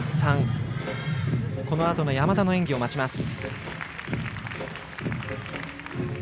このあとの山田の演技を待ちます。